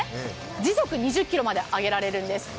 時速２０キロまで上げられるんです。